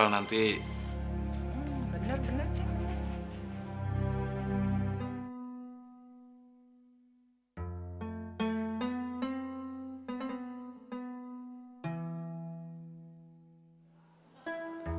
tapi menurut gua sih roh